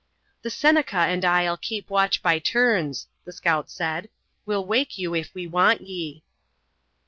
"The Seneca and I'll keep watch by turns," the scout said. "We'll wake you if we want ye."